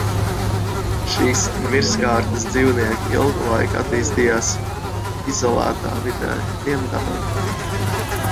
Šīs virskārtas dzīvnieki ilgu laiku attīstījās izolētā vidē Dienvidamerikā.